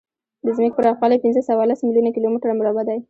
د ځمکې پراخوالی پینځهسوهلس میلیونه کیلومتره مربع دی.